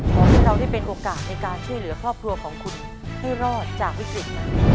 ขอให้เราได้เป็นโอกาสในการช่วยเหลือครอบครัวของคุณให้รอดจากวิกฤตนั้น